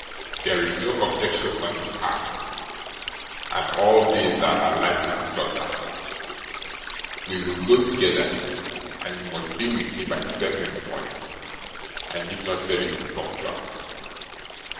There is no objection on his part, and all days are alike to his daughter. We will go together, and you must be with me by seven in the morning. I need not tell you to be punctual.